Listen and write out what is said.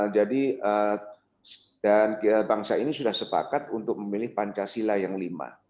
jadi dan bangsa ini sudah sepakat untuk memilih pancasila yang lima